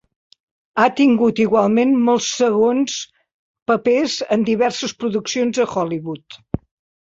Ha tingut igualment molts segons papers en diverses produccions de Hollywood.